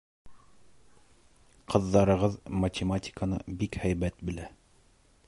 Ҡыҙҙарығыҙ математиканы бик һәйбәт белә.